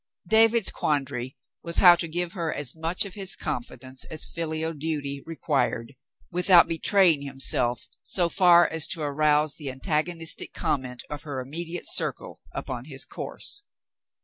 David's quandary was how to give her as much of his confidence as filial duty required without betrajdng him self so far as to arouse the antagonistic comment of her immediate circle upon his course.